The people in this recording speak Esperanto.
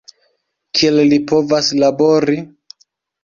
Kiel li povas labori?